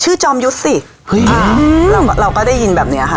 จอมยุทธ์สิเฮ้ยเราก็ได้ยินแบบเนี้ยค่ะ